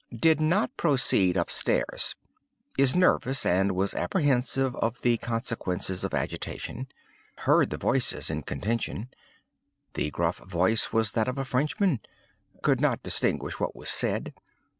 Did not proceed up stairs. Is nervous, and was apprehensive of the consequences of agitation. Heard the voices in contention. The gruff voice was that of a Frenchman. Could not distinguish what was said.